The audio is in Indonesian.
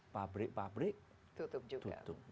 pabrik pabrik tutup juga